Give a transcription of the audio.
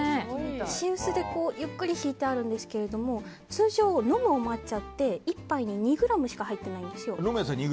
石臼でゆっくりひいてあるんですけど通常、飲むお抹茶って１杯に２ｇしか入ってないんですよ。